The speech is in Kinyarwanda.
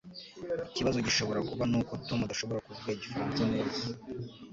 Ikibazo gishobora kuba nuko Tom adashobora kuvuga igifaransa neza.